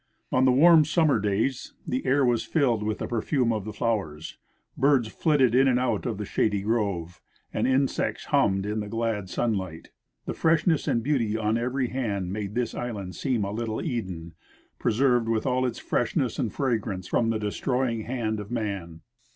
On the Avarm summer days the air Avas filled Avith the perfume of the floAvers, birds flitted in and out of the shady grove, and insects hummed in the glad sunlight; the freshness and beauty on eA^ery hand made this island seem a little Eden, preserved Avith all its freshness and fragrance from the destroying hand of man.